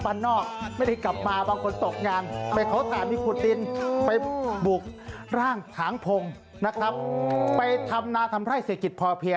ไปทำนาทำไพร่เศรษฐกิจพอเพียง